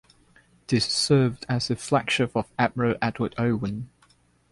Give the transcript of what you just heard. This served as the flagship of Admiral Edward Owen.